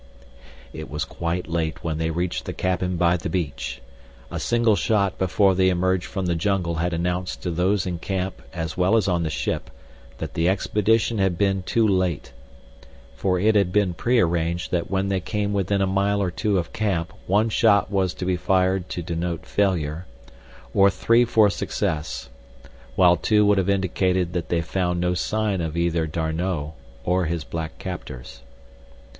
It was quite late when they reached the cabin by the beach. A single shot before they emerged from the jungle had announced to those in camp as well as on the ship that the expedition had been too late—for it had been prearranged that when they came within a mile or two of camp one shot was to be fired to denote failure, or three for success, while two would have indicated that they had found no sign of either D'Arnot or his black captors.